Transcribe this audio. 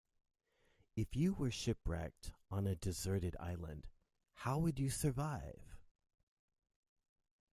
If you were shipwrecked on a deserted island, how would you survive?